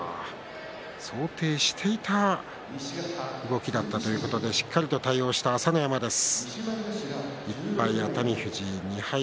想定していた動きだったということでしっかりと対応した朝乃山です。